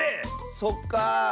そっかあ。